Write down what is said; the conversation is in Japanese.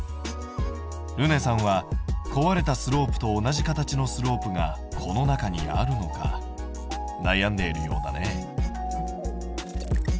るねさんは壊れたスロープと同じ形のスロープがこの中にあるのか悩んでいるようだね。